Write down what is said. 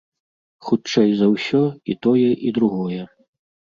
Хутчэй за ўсё, і тое і другое.